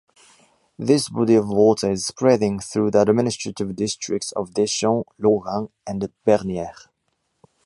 This body of water is spreading through the administrative districts of Deschamps, Logan and Bernier.